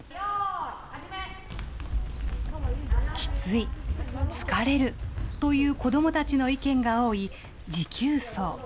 キツい、疲れるという子どもたちの意見が多い持久走。